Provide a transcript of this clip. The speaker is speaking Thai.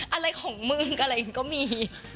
อะไรของมึงอะไรก็มี